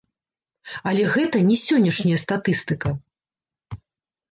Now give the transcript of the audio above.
Але гэта не сённяшняя статыстыка.